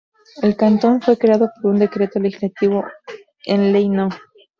El cantón fue creado por un Decreto Legislativo en ley No.